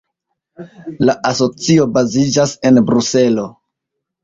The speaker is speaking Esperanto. La asocio baziĝas en Bruselo.